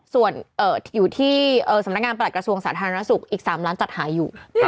ส่วนอยู่ที่สำนักงานประหลักกระทรวงสาธารณสุขอีก๓ล้านจัดหาอยู่